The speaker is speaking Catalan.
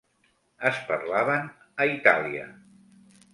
Es parlaven a Itàlia.